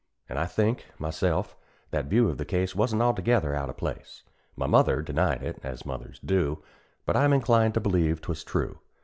An' I think, myself, that view of the case Wasn't altogether out o' place; My mother denied it, as mothers do, But I am inclined to believe 'twas true.